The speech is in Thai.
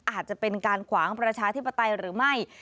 อาจจะเป็นการขวางประชาธิปไตยหรือไม่